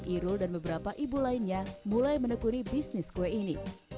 irul dan beberapa ibu lainnya mulai menekuni bisnis kue ini